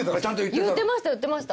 言ってました言ってました。